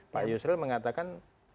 pak yusril mengatakan